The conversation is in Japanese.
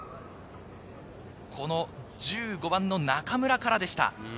１５番の中村からでした。